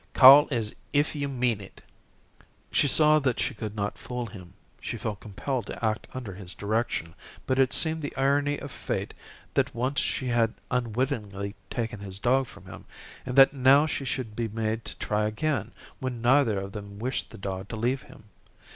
"Call as if you meant it." She saw that she could not fool him. She felt compelled to act under his direction, but it seemed the irony of fate that once she had unwittingly taken his dog from him, and that now she should be made to try again when neither of them wished the dog to leave him.